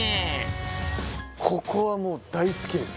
ここはもう大好きです！